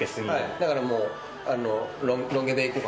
だからもう。